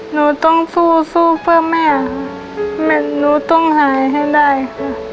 หนูต้องสู้สู้เพื่อแม่หนูต้องหายให้ได้ค่ะ